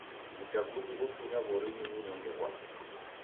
W'uchaguzi ghofunya w'orinyi w'unyonge ghwape.